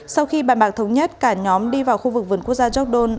sau khi bàn bạc thống nhất cả nhóm đi vào khu vực vườn quốc gia gióc đôn